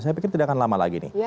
saya pikir tidak akan lama lagi nih